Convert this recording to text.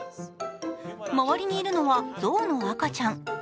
周りにいるのは象の赤ちゃん。